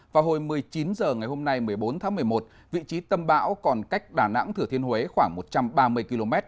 vào hồi một mươi chín h ngày hôm nay một mươi bốn tháng một mươi một vị trí tâm bão còn cách đà nẵng thừa thiên huế khoảng một trăm ba mươi km